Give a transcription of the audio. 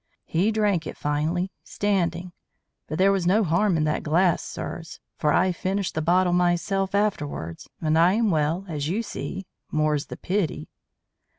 He drank it finally, standing. But there was no harm in that glass, sirs, for I finished the bottle myself afterwards, and I am well, as you see. More's the pity!"